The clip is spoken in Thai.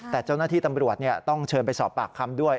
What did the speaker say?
แต่เจ้าหน้าที่ตำรวจต้องเชิญไปสอบปากคำด้วย